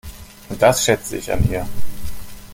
Und das schätze ich an ihr.